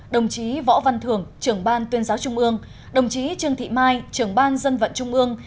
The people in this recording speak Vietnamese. đồng chí võ văn thưởng trưởng ban tuyên giáo trung ương đồng chí trương thị mai trưởng ban dân vận trung ương